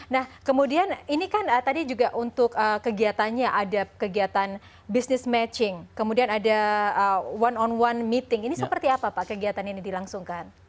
nah kemudian ini kan tadi juga untuk kegiatannya ada kegiatan business matching kemudian ada one on one meeting ini seperti apa pak kegiatan ini dilangsungkan